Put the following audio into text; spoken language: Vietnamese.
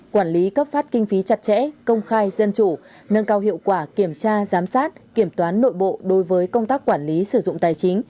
quản lý cấp phát kinh phí chặt chẽ công khai dân chủ nâng cao hiệu quả kiểm tra giám sát kiểm toán nội bộ đối với công tác quản lý sử dụng tài chính